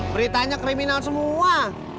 beritanya kriminal semua